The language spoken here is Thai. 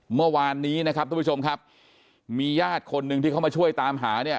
เมื่อวานนี้นะครับทุกผู้ชมครับมีญาติคนหนึ่งที่เขามาช่วยตามหาเนี่ย